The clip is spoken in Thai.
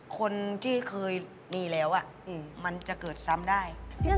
คนที่เคยมีแล้วมันจะเกิดซ้ำได้